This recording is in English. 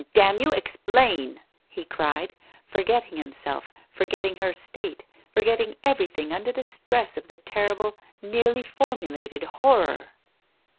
Damn you, explain !" he cried, forgetting himself, for getting her state, forgetting everything under the stress of the terrible, nearly formulated Horror.